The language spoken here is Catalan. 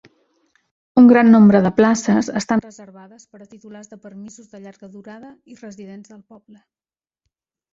Un gran nombre de places estan reservades per a titulars de permisos de llarga durada i residents del poble.